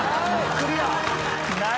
クリア。